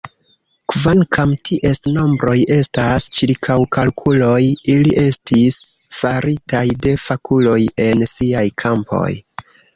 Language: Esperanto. Kvankam ties nombroj estas ĉirkaŭkalkuloj, ili estis faritaj de fakuloj en siaj kampoj.